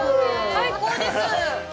最高です！